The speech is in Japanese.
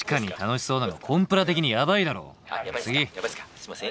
「すいません。